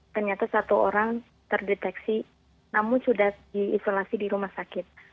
ternyata satu orang terdeteksi namun sudah diisolasi di rumah sakit